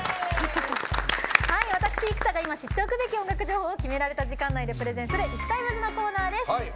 私、生田が今、知っておくべき音楽情報を決められた時間内でプレゼンする「ＩＫＵＴＩＭＥＳ」のコーナーです。